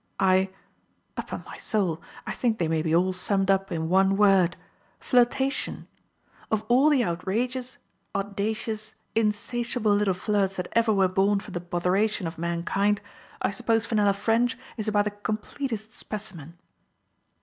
" I — upon my soul, I think they may be all summed up in one word — flirtation ! Of all the outrageous, audacious, insatiable little flirts that ever were born for the botheration of mankind, I suppose Fenella Ffrench is about the com , pletest specimen."